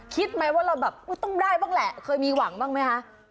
คิดไหมว่าเราแบบต้องได้บ้างแหละเคยมีหวังบ้างไหมคะ